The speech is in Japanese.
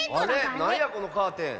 なんやこのカーテン。